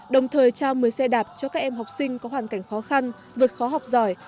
đồng thời trao một mươi xe đạp cho các em học sinh có hoàn cảnh khó khăn vượt khó học giỏi